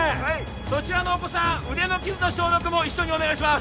そちらのお子さん腕の傷の消毒も一緒にお願いします